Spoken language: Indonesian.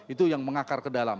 itu yang mengakar ke dalam